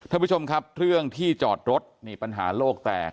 ท่านผู้ชมครับเรื่องที่จอดรถนี่ปัญหาโลกแตก